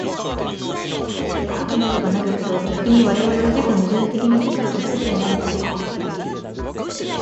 しかしてかくなればなるほど、逆に我々は自己矛盾的に世界と一つになるということができる。